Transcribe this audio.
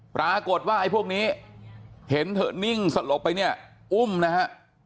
ปรากฏว่าไอ้พวกนี้เห็นเธอนิ่งสลบไปเนี่ยอุ้มนะฮะ